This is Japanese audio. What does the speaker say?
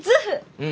うん。